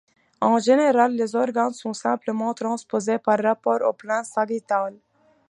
En général, les organes sont simplement transposés par rapport au plan sagittal.